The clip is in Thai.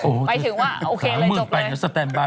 ไปถึงว่าโอเคเลยจบเลย๓หมื่นแรกไปอย่างนี้สแตนบาร์